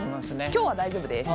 今日は大丈夫です。